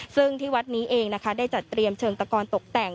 ซึ่งที่วัดนี้เองนะคะได้จัดเตรียมเชิงตะกอนตกแต่ง